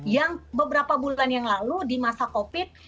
yang beberapa bulan yang lalu di masa covid